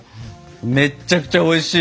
めっちゃくちゃおいしい！